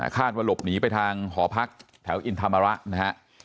ว่าหลบหนีไปทางหอพักแถวอินธรรมระนะฮะ